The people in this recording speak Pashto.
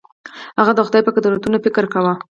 هغه د خدای په قدرتونو فکر کاوه.